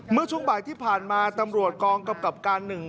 เมื่อช่วงบ่ายที่ผ่านมาตำรวจกองกำกับการหนึ่ง